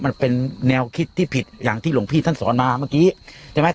มันเป็นแนวคิดที่ผิดอย่างที่หลวงพี่ท่านสอนมาเมื่อกี้ใช่ไหม